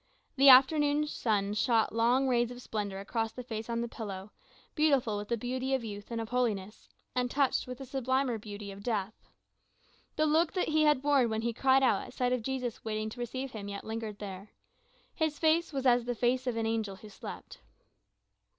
The afternoon sun shot long rays of splendor across the face on the pillow, beautiful with the beauty of youth and of holiness, and touched with the sublimer beauty of death. The look that he had worn when he cried out at sight of Jesus waiting to receive him yet lingered there, his face was as the face of an angel who slept.